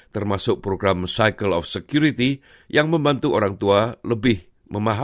termasuk program cycle of security yang membantu orang tua lebih memahami